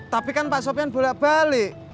tapi kan pak sopyan boleh balik